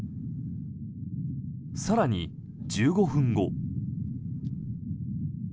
更に１５分後。